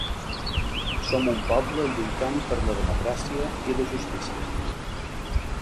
Som un poble lluitant per la democràcia i la justícia.